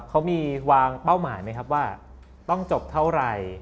เขามีวางเป้าหมายไหมครับว่าต้องจบเท่าไหร่